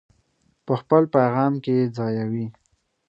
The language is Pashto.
په خپل پیغام کې یې ځایوي.